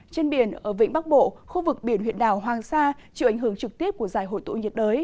trên biển ở vĩnh bắc bộ khu vực biển huyện đảo hoàng sa chịu ảnh hưởng trực tiếp của giải hội tụ nhiệt đới